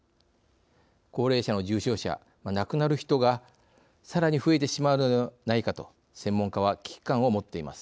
高齢者の重症者、亡くなる人がさらに増えてしまうのではないかと専門家は危機感を持っています。